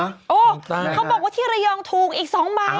เขาบอกว่าที่ระยองถูกอีก๒ใบ